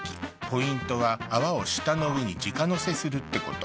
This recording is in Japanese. ポイントは泡を舌の上に直のせするってこと。